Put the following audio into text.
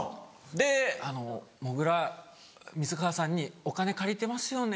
で「あのもぐら水川さんにお金借りてますよね？」